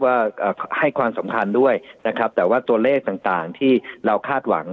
ว่าให้ความสำคัญด้วยนะครับแต่ว่าตัวเลขต่างที่เราคาดหวัง